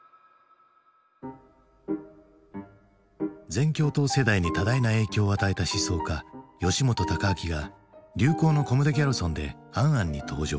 全共闘世代に多大な影響を与えた思想家吉本隆明が流行のコムデギャルソンで「ａｎ・ａｎ」に登場。